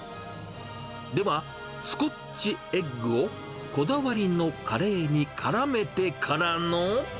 では、スコッチエッグをこだわりのカレーにからめてからの。